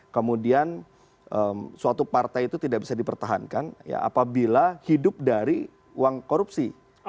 kemudian suatu partai itu tidak bisa dipertahankan ya apabila hidup dari uang korupsi